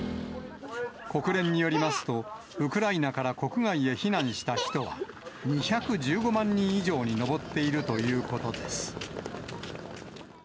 国連によりますと、ウクライナから国外へ避難した人は、２１５万人以上に上っているということです。